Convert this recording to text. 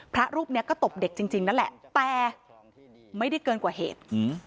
พระรูปนี้ก็ตบเด็กจริงนั่นแหละแต่ไม่ได้เกินกว่าเหตุ